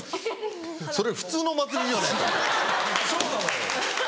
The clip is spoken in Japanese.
それ普通の祭りじゃねえか！